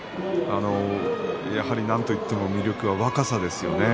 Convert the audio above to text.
やはりなんと言っても魅力は若さですよね